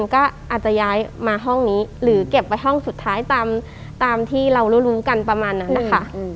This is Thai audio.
ก็อาจจะย้ายมาห้องนี้หรือเก็บไว้ห้องสุดท้ายตามที่เรารู้กันประมาณนั้นนะคะ